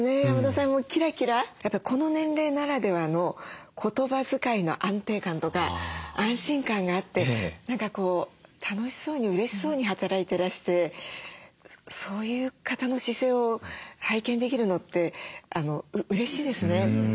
山田さんもキラキラこの年齢ならではの言葉遣いの安定感とか安心感があって何かこう楽しそうにうれしそうに働いてらしてそういう方の姿勢を拝見できるのってうれしいですね。